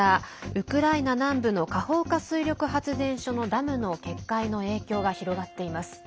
ウクライナ南部のカホウカ水力発電所のダムの決壊の影響が広がっています。